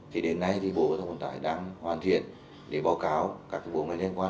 thì đến nay thì bộ giao thông vận tải đang hoàn thiện để báo cáo các bộ ngành liên quan